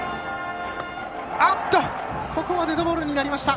ここはデッドボールになりました。